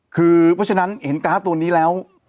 คือเพราะฉะนั้นเห็นกราฟตัวนี้แล้ว